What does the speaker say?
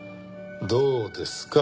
どうですか？